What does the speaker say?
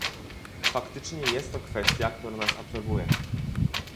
Faktycznie jest to kwestia, która nas absorbuje